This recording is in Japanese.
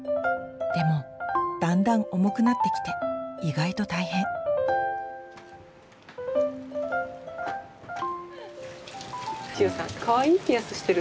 でもだんだん重くなってきて意外と大変千代さんえ？